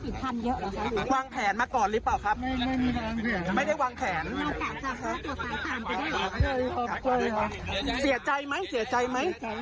เสียใจไหมเสียใจไหม